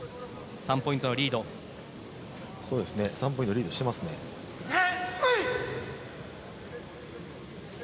３ポイントリードしてますね。